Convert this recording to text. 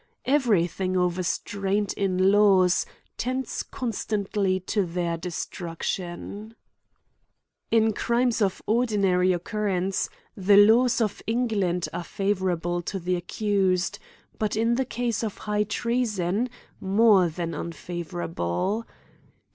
Every thing overstrained in laws tends con stantly to their destruction. CRIMES AND PUNISHMENTS. 2^7 In crimes of ordinary occurrence, the laws of England are favourable to the accused ; but in the case of high treason, more than unfavorable.